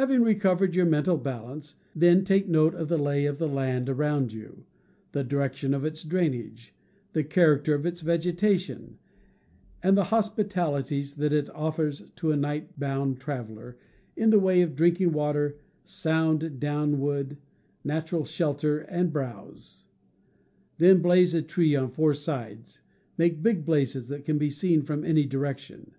Having recovered your mental balance, then take note of the lay of the land around you, the direction of its drainage, the char acter of its vegetation, and the hospitahties that it offers to a night bound traveler, in the way of drinking water, sound downwood, natural shelter, and browse. Then blaze a tree on four sides — make big blazes that can be seen from any direction.